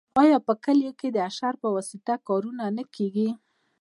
آیا په کلیو کې د اشر په واسطه کارونه نه کیږي؟